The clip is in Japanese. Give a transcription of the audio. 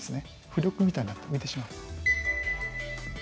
浮力みたいになって浮いてしまう。